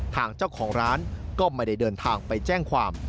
ทางเจ้าของร้านก็ไม่ได้เดินทางไปแจ้งความ